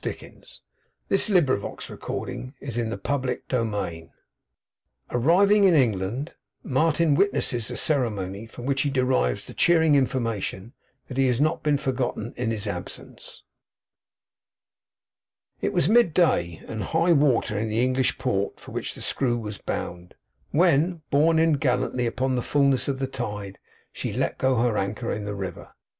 said Martin. 'Well, Mark. Let us hope so.' CHAPTER THIRTY FIVE ARRIVING IN ENGLAND, MARTIN WITNESSES A CEREMONY, FROM WHICH HE DERIVES THE CHEERING INFORMATION THAT HE HAS NOT BEEN FORGOTTEN IN HIS ABSENCE It was mid day, and high water in the English port for which the Screw was bound, when, borne in gallantly upon the fullness of the tide, she let go her anchor in the river.